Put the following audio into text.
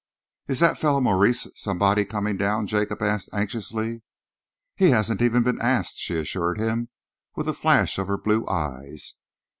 "Is that fellow Maurice somebody coming down?" Jacob asked anxiously. "He hasn't even been asked," she assured him, with a flash of her blue eyes.